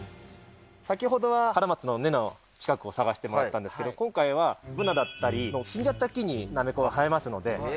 先ほどはカラマツの根の近くを探してもらったんですけど、今回はブナだったり、死んじゃった木にナメコは生えますので。